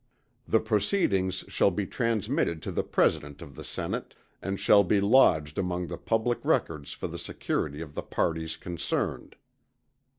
The proceedings shall be transmitted to the President of the Senate, and shall be lodged among the public records for the security of the parties concerned.